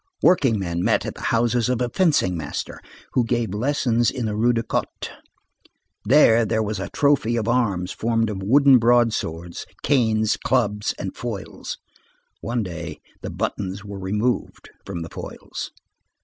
Workingmen met at the house of a fencing master who gave lessons in the Rue de Cotte. There there was a trophy of arms formed of wooden broadswords, canes, clubs, and foils. One day, the buttons were removed from the foils.